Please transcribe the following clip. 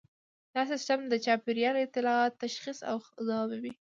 دا سیستم د چاپیریال اطلاعات تشخیص او ځوابوي